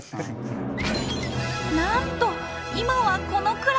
なんと今はこのくらい！